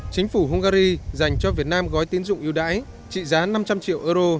chính phủ hungary dành cho việt nam gói tiến dụng yêu đáy trị giá năm trăm linh triệu euro